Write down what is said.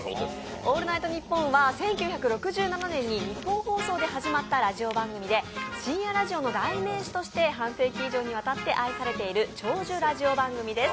「オールナイトニッポン」は１９６７年にニッポン放送で始まったラジオ番組で深夜ラジオの代名詞として半世紀以上にわたって愛されている長寿ラジオ番組です。